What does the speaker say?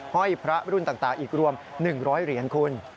ห้อยพระรุ่นต่างอีกรวม๑๐๐เหรียญคุณ